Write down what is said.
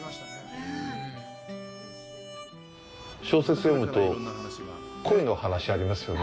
小説読むと、恋の話ありますよね。